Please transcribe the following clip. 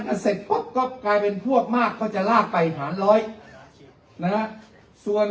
เสร็จปุ๊บก็กลายเป็นพวกมากก็จะลากไปหารร้อยนะฮะส่วน